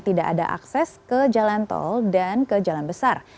tidak ada akses ke jalan tol dan ke jalan besar